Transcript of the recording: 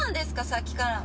さっきから。